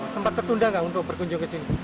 sempat tertunda nggak untuk berkunjung ke sini